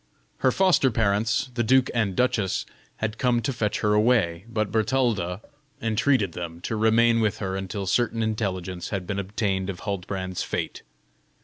Her foster parents, the duke and duchess, had come to fetch her away, but Bertalda entreated them to remain with her until certain intelligence had been obtained of Huldbrand's fate.